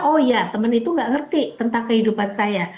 oh ya teman itu nggak ngerti tentang kehidupan saya